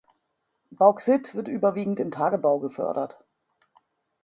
Bauxit wird überwiegend im Tagebau gefördert.